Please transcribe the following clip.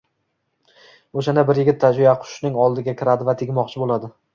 O‘shanda bir yigit tuyaqushning oldiga kiradi va tegmoqchi bo‘ladi.